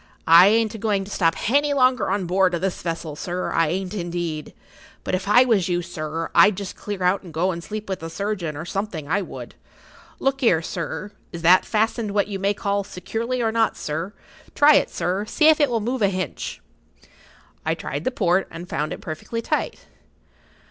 I ain't a going to stop hany longer on board o' this vessel, sir; I ain't, indeed. But if I was you, sir, I'd just clear out and go and sleep with the surgeon, or something, I would. Look 'ere, sir, is that fastened what you may call securely, or not, sir? Try it, sir, see if it will move a hinch." I tried the port, and found it perfectly tight.